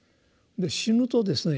死ぬとですね